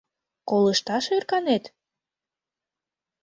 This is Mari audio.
— Колышташ ӧрканет?